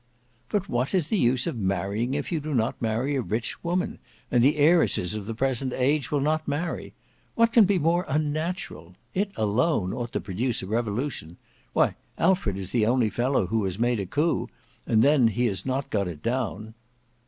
"But what is the use of marrying if you do not marry a rich woman—and the heiresses of the present age will not marry. What can be more unnatural! It alone ought to produce a revolution. Why, Alfred is the only fellow who has made a coup; and then he has not got it down."